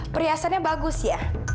perhiasannya bagus ya